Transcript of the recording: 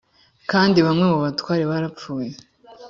kandi bamwe mu batware barapfuye